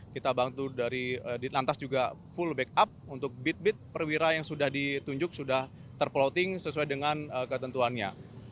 kita bantu dari di lantas juga full backup untuk bit bit perwira yang sudah ditunjuk sudah terploting sesuai dengan ketentuannya